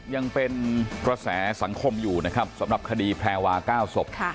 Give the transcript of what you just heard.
ยังเป็นกระแสสังคมอยู่นะครับสำหรับคดีแพรวา๙ศพ